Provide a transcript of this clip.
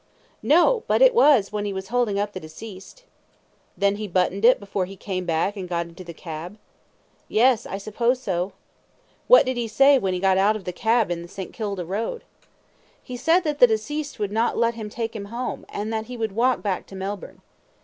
A. No; but it was when he was holding up the deceased. Q. Then he buttoned it before he came back and got into the cab? A. Yes. I suppose so. Q. What did he say when he got out of the cab on the St. Kilda Road? A. He said that the deceased would not let him take him home, and that he would walk back to Melbourne.